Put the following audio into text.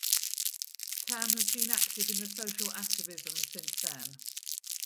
Tam has been active in the social activism since then.